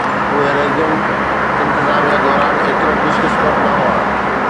اهي ريگن انتظاميه دوران ايترو خوش قسمت نه هئا